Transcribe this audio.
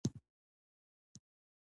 هغه یو ژور انساني پیغام لري.